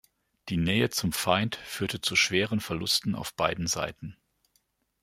Die Nähe zum Feind führte zu schweren Verlusten auf beiden Seiten.